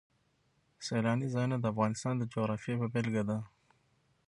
سیلاني ځایونه د افغانستان د جغرافیې یوه بېلګه ده.